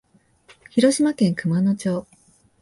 広島県熊野町